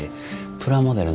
プラモデル？